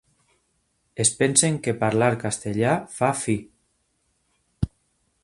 Es pensen que parlar castellà fa fi.